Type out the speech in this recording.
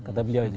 kata beliau itu